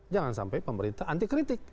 jangan sampai pemerintah anti kritik